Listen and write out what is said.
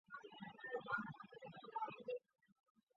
埃斯珀泽人口变化图示